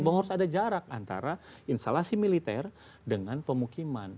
bahwa harus ada jarak antara instalasi militer dengan pemukiman